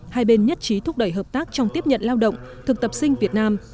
hai bên nhất trí thúc đẩy hợp tác trong tiếp nhận lao động thực tập sinh việt nam